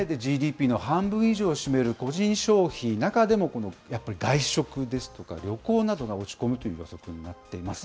ＧＤＰの半分以上を占める個人消費、中でもこのやっぱり外食ですとか、旅行などが落ち込むという予測になっています。